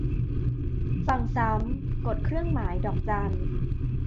ฟังซ้ำ กดเครื่องหมายดอกจัน